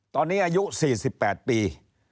ตอนนี้อายุ๔๘ปี